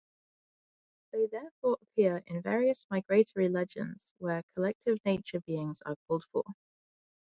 They "therefore appear in various migratory legends where collective nature-beings are called for".